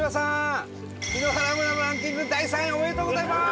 檜原村のランキング第３位おめでとうございます！